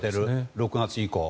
６月以降。